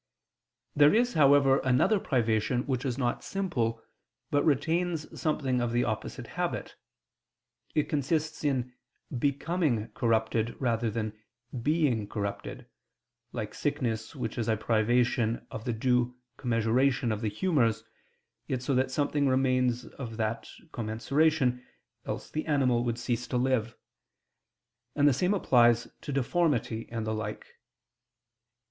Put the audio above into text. There is, however, another privation which is not simple, but retains something of the opposite habit; it consists in becoming corrupted rather than in being corrupted, like sickness which is a privation of the due commensuration of the humors, yet so that something remains of that commensuration, else the animal would cease to live: and the same applies to deformity and the like.